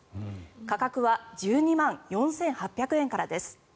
価格は１２万４８００円からです。